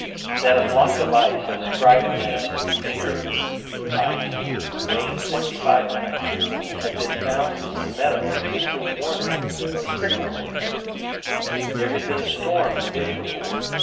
That a block of ice, described as "pure" ice, weighing 25 pounds, had been found in the meadow of Mr. Warner, of Cricklewood. There had been a storm the day before.